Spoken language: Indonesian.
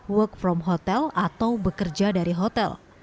work from hotel atau bekerja dari hotel